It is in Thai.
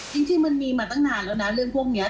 จริงมันมีมาตั้งนานแล้วนะเรื่องพวกนี้